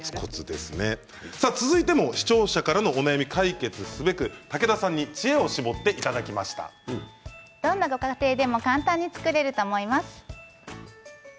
続いて視聴者からのお悩みを解決すべく武田さんにどんなご家庭でも簡単に作れると思います。